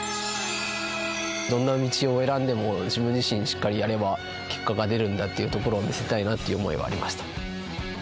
どんな道を選んでも自分自身しっかりとやれば結果が出るんだというところを見せたいなという気持ちはありました。